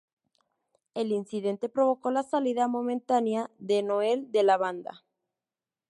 El incidente provocó la salida momentánea de Noel de la banda.